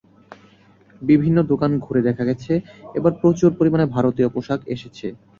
বিভিন্ন দোকান ঘুরে দেখা গেছে, এবার প্রচুর পরিমাণে ভারতীয় পোশাক এসেছে।